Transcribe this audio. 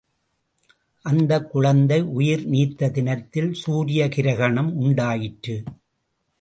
அந்தக் குழந்தை உயிர் நீத்த தினத்தில், சூரிய கிரஹணம் உண்டாயிற்று.